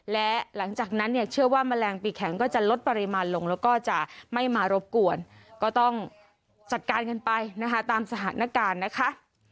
และหลังจากนั้นเนี่ยเชื่อว่าแมลงปีแข็งก็จะลดปริมาณลงแล้วก็จะไม่มารบกวนก็ต้องจัดการกันไปนะคะตามสถานการณ์นะคะ